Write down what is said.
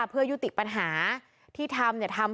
เพื่ออยุติปัญหาที่ทำทำ